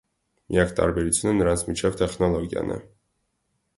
Միակ տարբերությունը նրանց միջև տեխնոլոգիան է։